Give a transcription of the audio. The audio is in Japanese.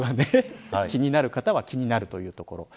気になる方は気になるというところ。